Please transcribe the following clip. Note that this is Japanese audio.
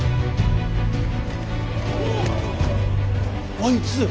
あいつ。